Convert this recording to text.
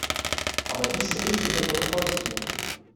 Aber dies hat nichts mit dem Protokoll zu tun.